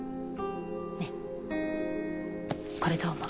ねえこれどう思う？